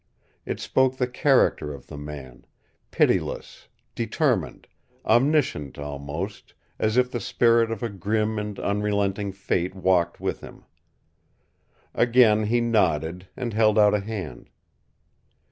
It spoke the character of the man, pitiless, determined, omniscient almost, as if the spirit of a grim and unrelenting fate walked with him. Again he nodded, and held out a hand.